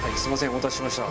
お待たせしました。